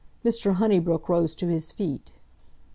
Mr. Honeybrook rose to his feet.